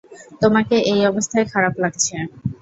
তোমাকে এই অবস্থায় খারাপ লাগছে।